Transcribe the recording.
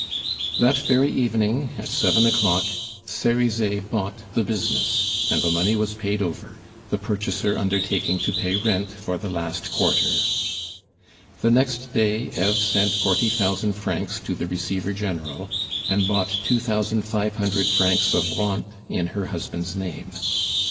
That very evening, at seven o'clock, Cerizet bought the business, and the money was paid over, the purchaser undertaking to pay rent for the last quarter. The next day Eve sent forty thousand francs to the Receiver General, and bought two thousand five hundred francs of rentes in her husband's name.